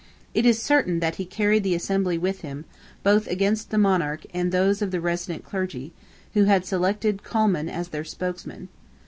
It is certain that he carried the Assembly with him, both against the monarch and those of the resident clergy, who had selected Colman as their spokesman.